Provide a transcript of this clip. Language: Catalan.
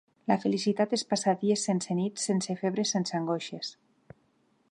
La felicitat és passar dies sense nits, sense febre, sense angoixes